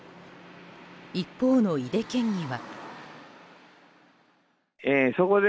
一方の井手県議は。